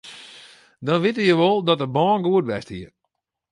Dan witte je wol dat de bân goed west hie.